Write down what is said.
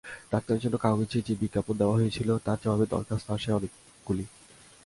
ডাক্তারের জন্য কাগজে যে বিজ্ঞাপন দেওয়া হইয়াছিল তার জবাবে দরখাস্ত আসে অনেকগুলি।